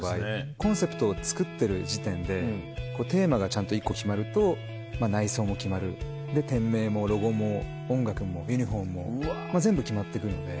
コンセプトを作ってる時点でテーマがちゃんと１個決まると内装も決まる店名もロゴも音楽もユニホームも全部決まっていくので。